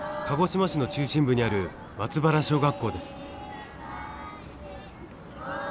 鹿児島市の中心部にある松原小学校です。